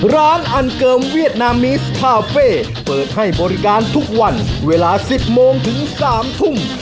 ร้านอันเกิมเวียดนามิสคาเฟ่เปิดให้บริการทุกวันเวลา๑๐โมงถึง๓ทุ่ม